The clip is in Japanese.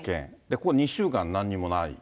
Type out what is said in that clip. ここ２週間なんにもない。